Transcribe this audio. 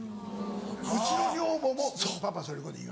うちの女房も「パパそういうこと言わない」。